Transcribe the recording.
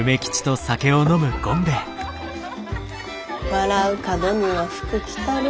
・「笑う門には福来る」やな。